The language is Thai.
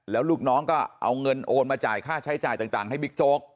แล้วลูกน้องก็เอาเงินโอนมาจ่ายค่าใช้จ่ายต่างให้บิ๊กโจ๊ก